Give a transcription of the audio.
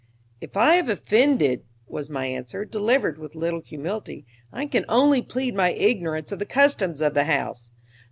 "If I have offended," was my answer, delivered with little humility, "I can only plead my ignorance of the customs of the house."